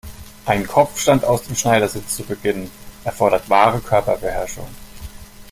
Einen Kopfstand aus dem Schneidersitz zu beginnen, erfordert wahre Körperbeherrschung.